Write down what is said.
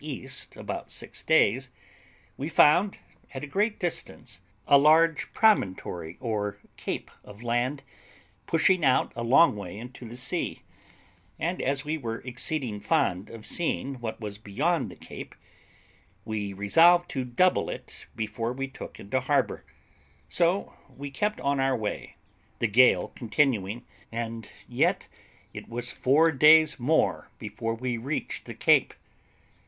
E., about six days, we found, at a great distance, a large promontory or cape of land, pushing out a long way into the sea, and as we were exceeding fond of seeing what was beyond the cape, we resolved to double it before we took into harbour, so we kept on our way, the gale continuing, and yet it was four days more before we reached the cape.